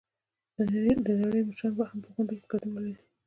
د نړۍ مشران به هم په غونډه کې ګډون ولري.